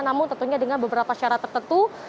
namun tentunya dengan beberapa syarat tertentu